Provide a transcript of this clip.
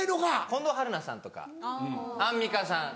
近藤春菜さんとかアンミカさん。